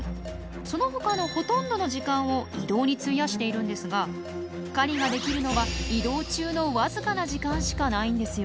そのほかのほとんどの時間を移動に費やしているんですが狩りができるのは移動中の僅かな時間しかないんですよ。